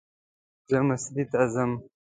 زه مستری ته ځم